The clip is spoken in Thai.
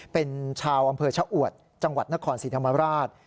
เป็นชาวอำเภอชะอวดจังหวัดนครศรีธรรมราช